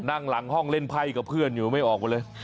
นั่งหลังห้องเล่นไพ่กับเพื่อนอยู่ไม่ออกมาเลย